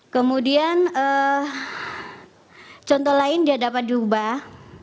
kemudian contoh lain dia dapat diubah